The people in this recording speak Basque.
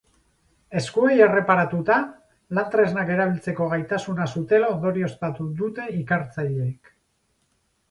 Eskuei erreparatuta, lan-tresnak erabiltzeko gaitasuna zutela ondorioztatu dute ikertzaileek.